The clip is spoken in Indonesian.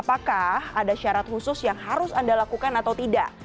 apakah ada syarat khusus yang harus anda lakukan atau tidak